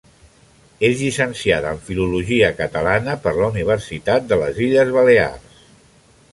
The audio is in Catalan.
És llicenciada en Filologia Catalana per la Universitat de les Illes Balears.